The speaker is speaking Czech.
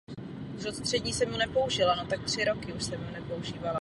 Zahraniční vztahy byly důležité jako symbol legitimity mingské vlády.